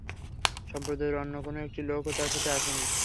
সম্প্রদায়ের অন্য কোন একটি লোকও তার সাথে আসেনি।